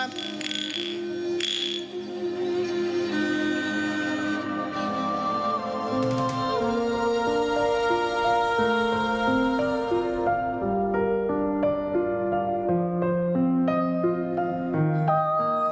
มีครับคุณครับ